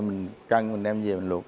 mình cân mình đem về mình luộc